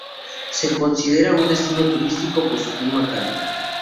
Se considera un destino turístico por su clima cálido.